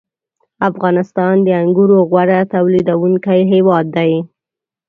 • افغانستان د انګورو غوره تولیدوونکی هېواد دی.